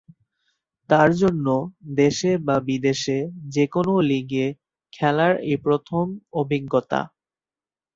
তার জন্য, দেশে বা বিদেশে যে কোনও লিগে খেলার এই প্রথম অভিজ্ঞতা।